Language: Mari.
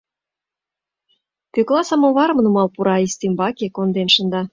Пӧкла самоварым нумал пура, ӱстембаке конден шында.